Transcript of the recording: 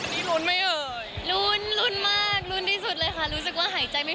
ตัวนี้รุนไหมเอ๋ย